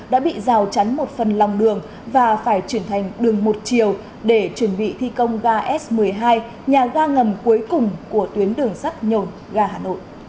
đã bị rào chắn một phần lòng đường và phải chuyển thành đường một chiều để chuẩn bị thi công ga s một mươi hai nhà ga ngầm cuối cùng của tuyến đường sắt nhồn ga hà nội